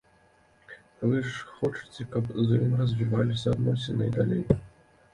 Вы ж хочаце, каб з ім развіваліся адносіны і далей.